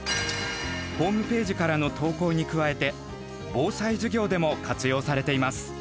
ホームページからの投稿に加えて防災授業でも活用されています。